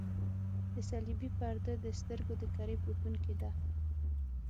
د صلبیې پرده د سترګو د کرې پوښوونکې ده.